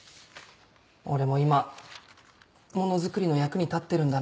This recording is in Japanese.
俺も今ものづくりの役に立ってるんだなって